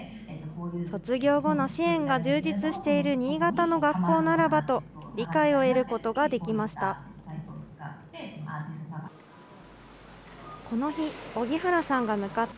卒業後の支援が充実している新潟の学校ならばと、理解を得ることができました。